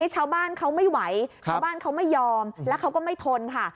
ชาวบ้านเขาไม่ไหวชาวบ้านเขาไม่ยอมแล้วเขาก็ไม่ทนค่ะ